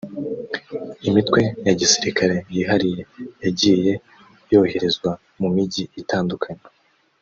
Imitwe ya gisirikare yihariye yagiye yoherezwa mu mijyi itandukanye